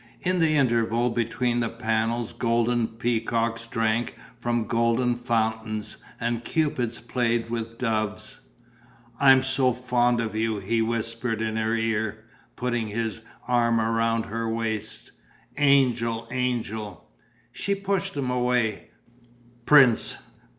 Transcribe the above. In the intervals between the panels golden peacocks drank from golden fountains and cupids played with doves. "I am so fond of you!" he whispered in her ear, putting his arm round her waist. "Angel! Angel!" She pushed him away: "Prince...."